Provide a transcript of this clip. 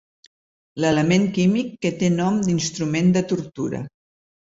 L'element químic que té nom d'instrument de tortura.